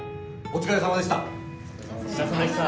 お疲れさまでした。